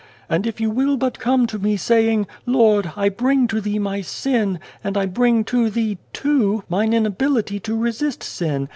And if you will but come to Me, saying, " Lord, I bring to Thee my sin, and I bring to Thee, too, mine inability to resist sin.